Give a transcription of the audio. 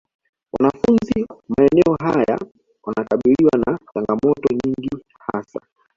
Wanafunzi maeneo haya wanakabiliwa na changamoto nyingi hasa